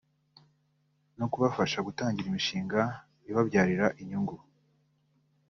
no kubafasha gutangira imishinga ibabyarira inyungu